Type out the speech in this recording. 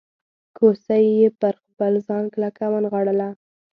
کوسۍ یې پر خپل ځان کلکه راونغاړله.